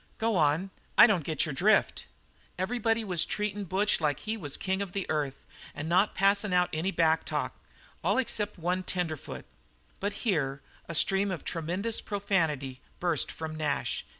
"Go on. I don't get your drift." "Everybody was treatin' Butch like he was the king of the earth and not passin' out any backtalk, all except one tenderfoot " But here a stream of tremendous profanity burst from Nash.